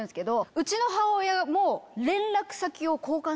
うちの母親も。